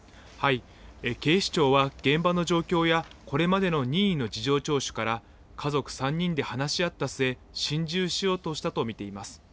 警視庁は現場の状況やこれまでの任意の事情聴取から、家族３人で話し合った末、心中しようとしたと見ています。